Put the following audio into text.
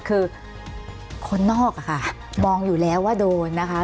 คือคนนอกอะค่ะมองอยู่แล้วว่าโดนนะคะ